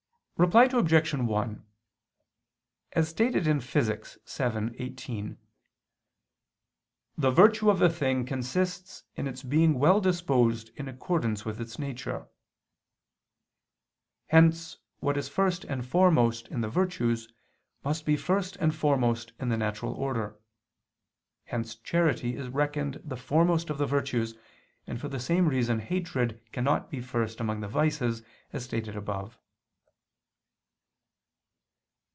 Reply Obj. 1: As stated in Phys. vii, text. 18, "the virtue of a thing consists in its being well disposed in accordance with its nature." Hence what is first and foremost in the virtues must be first and foremost in the natural order. Hence charity is reckoned the foremost of the virtues, and for the same reason hatred cannot be first among the vices, as stated above.